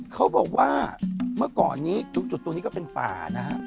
เขาบอกว่าเมื่อก่อนนี้ทุกจุดตรงนี้ก็เป็นป่านะฮะ